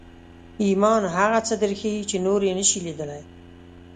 ایمان هغه څه درښيي چې نور یې نشي لیدلی